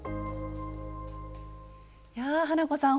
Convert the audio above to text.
や花子さん